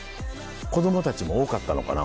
子供たちも多かったのかな？